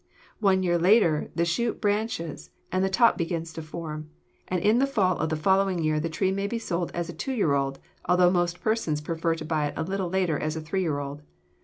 One year later the shoot branches and the top begins to form; and in the fall of the following year the tree may be sold as a two year old, although most persons prefer to buy it a year later as a three year old.